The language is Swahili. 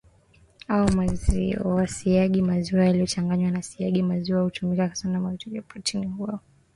au maziwasiagi maziwa yaliyochanganywa na siagi Maziwa hutumika sana Mahitaji ya protini huwa